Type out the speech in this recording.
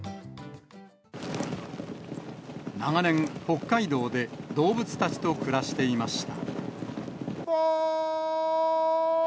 長年、北海道で動物たちと暮らしていました。